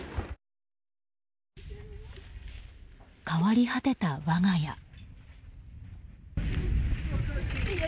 変わり果てた我が家。